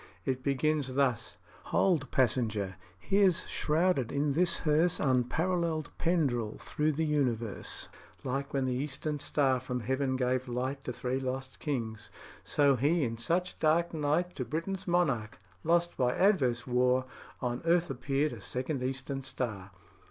It begins thus: "Hold, passenger! here's shrouded in this hearse Unparalleled Pendrell thro' the universe. Like when the eastern star from heaven gave light To three lost kings, so he in such dark night To Britain's monarch, lost by adverse war, On earth appeared a second eastern star."